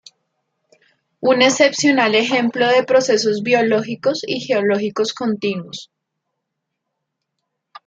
Un excepcional ejemplo de procesos biológicos y geológicos continuos.